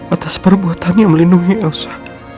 atas perbuatan yang melindungi elsa